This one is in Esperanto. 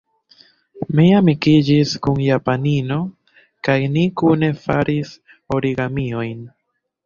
Mi amikiĝis kun japanino, kaj ni kune faris origamiojn.